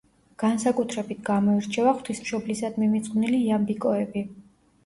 განსაკუთრებით გამოირჩევა ღვთისმშობლისადმი მიძღვნილი იამბიკოები.